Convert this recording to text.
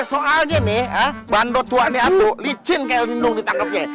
soalnya nih bandut tua ini atu licin kayak lindung ditangkapnya